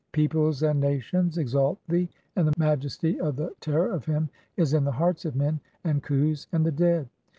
Peoples and nations exalt thee, and the majesty of the "terror of him is in the hearts of men, and khus, and the dead.